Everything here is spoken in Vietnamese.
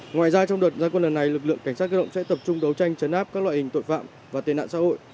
ngoài ra trong đợt gia quân lần này lực lượng cảnh sát cơ động sẽ tập trung đấu tranh chấn áp các loại hình tội phạm và tên nạn xã hội